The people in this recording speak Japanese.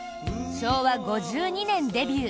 昭和５２年デビュー